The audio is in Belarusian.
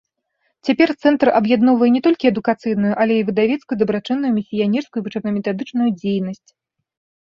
Цяпер цэнтр аб'ядноўвае не толькі адукацыйную, але і выдавецкую, дабрачынную, місіянерскую, вучэбна-метадычную дзейнасць.